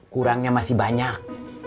kurangnya masih banyak